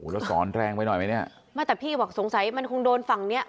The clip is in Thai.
แล้วสอนแรงไปหน่อยไหมเนี่ยไม่แต่พี่บอกสงสัยมันคงโดนฝั่งเนี้ย